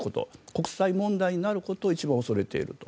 国際問題になることを一番恐れていると。